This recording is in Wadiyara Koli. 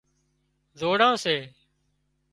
زوڙان سي